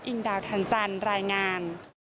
อิงดาวธรรมจรรย์รายงาน